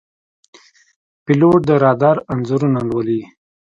پیلوټ د رادار انځورونه لولي.